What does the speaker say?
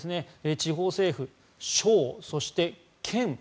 地方政府、省、そして県